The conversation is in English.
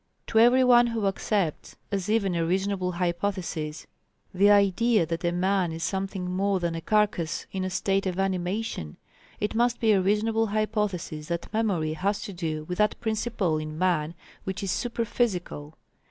To every one who accepts, as even a reasonable hypothesis, the idea that a man is something more than a carcase in a state of animation, it must be a reasonable hypothesis that memory has to do with that principle in man which is super physical.